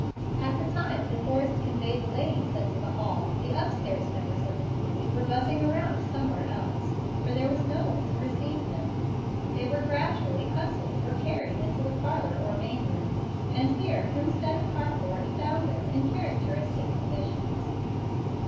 At the time De Forrest conveyed the ladies into the hall, the upstairs members of the committee were buzzing around somewhere else, for there was no one to receive them. They were gradually hustled or carried into the parlor or main room, and here Hemstead and Harcourt found them in characteristic conditions.